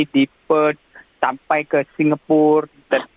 di perth sampai ke singapore